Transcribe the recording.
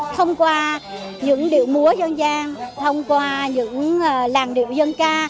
thông qua những điệu múa dân gian thông qua những làng điệu dân ca